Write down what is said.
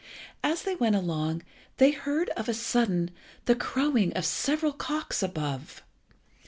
As they went along, they heard of a sudden the crowing of several cocks above.